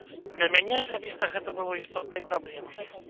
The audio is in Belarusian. Для мяне асабіста гэта было істотнай праблемай.